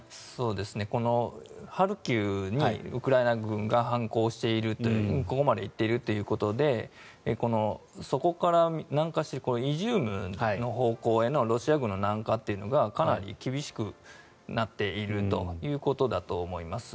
このハルキウにウクライナ軍が反攻しているここまで行っているということでそこから南下してイジュームの方向へのロシア軍の南下というのがかなり厳しくなっているということだと思います。